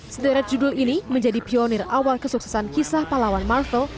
sederet judul ini menjadi pionir awal kesuksesan kisah pahlawan marvel